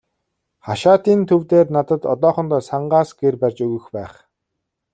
Хашаатын төв дээр надад одоохондоо сангаас гэр барьж өгөх байх.